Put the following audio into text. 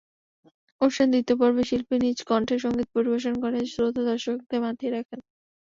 অনুষ্ঠানের দ্বিতীয় পর্বে শিল্পী নিজ কন্ঠে সংগীত পরিবেশন করে শ্রোতা-দর্শকদের মাতিয়ে রাখেন।